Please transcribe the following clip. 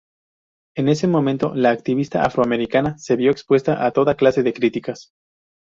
En ese momento, la activista afroamericana se vio expuesta a toda clase de críticas.